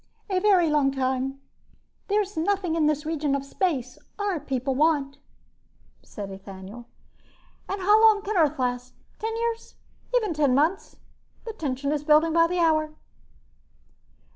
"A very long time. There's nothing in this region of space our people want," said Ethaniel. "And how long can Earth last? Ten years? Even ten months? The tension is building by the hour."